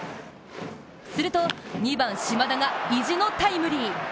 すると２番・島田が意地のタイムリー。